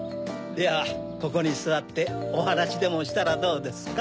ではここにすわっておはなしでもしたらどうですか？